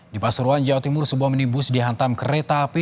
di pasuruan jawa timur sebuah minibus dihantam kereta api